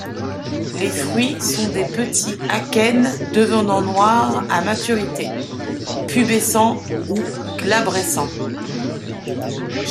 Les fruits sont des petits akènes devenant noirs à maturité, pubescents ou glabrescents.